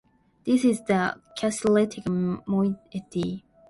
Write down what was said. This is the catalytic moiety.